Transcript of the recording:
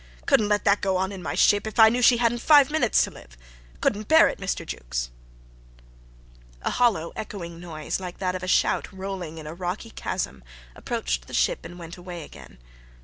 "Couldn't let that go on in my ship, if I knew she hadn't five minutes to live. Couldn't bear it, Mr. Jukes." A hollow echoing noise, like that of a shout rolling in a rocky chasm, approached the ship and went away again.